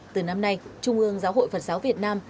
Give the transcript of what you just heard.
từ năm nay trung ương giáo hội phật giáo việt nam